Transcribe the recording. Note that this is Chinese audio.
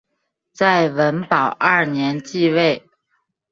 在文保二年即位。